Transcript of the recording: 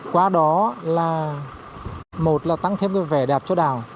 qua đó là tăng thêm vẻ đẹp cho đảo